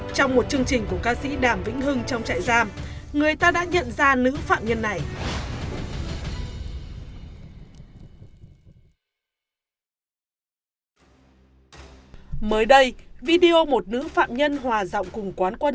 trong một chương trình của ca sĩ đàm vĩnh hưng trong trại giam người ta đã nhận ra nữ phạm nhân này